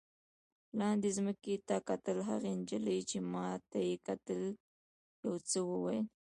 لاندې ځمکې ته کتل، هغې نجلۍ چې ما ته یې کتل یو څه وویل.